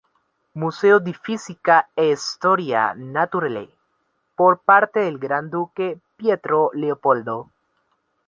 Museo di Fisica e Storia Naturale", por parte del gran duque Pietro Leopoldo.